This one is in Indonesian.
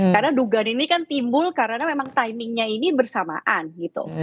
karena dugaan ini kan timbul karena memang timingnya ini bersamaan gitu